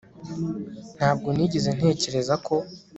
Ntabwo nigeze ntekereza ko